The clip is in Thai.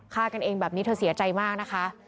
ฆ่ากันเองแบบนี้เธอเสียใจมากนะคะ